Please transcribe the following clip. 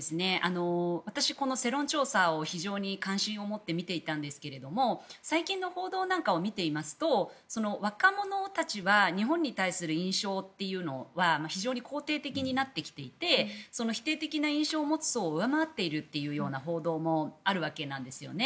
私、この世論調査を関心を持って見ていたんですけども最近の報道なんかを見ていますと若者たちは日本に対する印象というのは非常に肯定的になってきていて否定的な印象を持つ層を上回っているという報道もあるわけなんですよね。